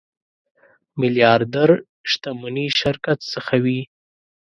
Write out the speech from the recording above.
میلیاردر شتمني شرکت څخه وي.